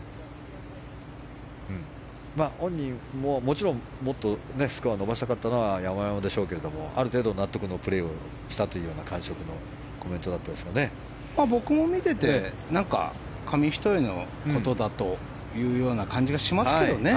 本人ももちろんもっとスコアを伸ばしたかったのはやまやまでしょうけれどもある程度、納得のプレーをしたという僕も見てて紙一重のことだというような感じがしますけどね。